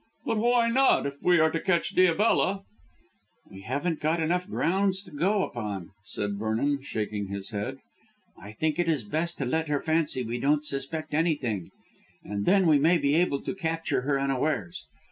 "But why not, if we are to catch Diabella?" "We haven't got enough grounds to go upon," said Vernon, shaking his head. "I think it is best to let her fancy we don't suspect anything and then we may be able to capture her unawares.